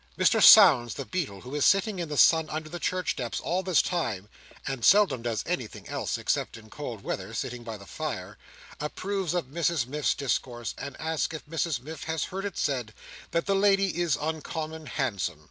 Mr Sownds the Beadle, who is sitting in the sun upon the church steps all this time (and seldom does anything else, except, in cold weather, sitting by the fire), approves of Mrs Miff's discourse, and asks if Mrs Miff has heard it said, that the lady is uncommon handsome?